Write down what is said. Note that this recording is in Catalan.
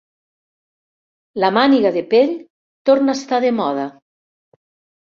La màniga de pell torna a estar de moda.